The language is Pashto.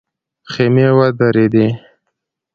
خيمې ودرېدې.